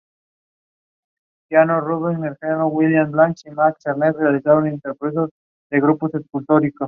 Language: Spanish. Se encuentran en África: lago Malawi.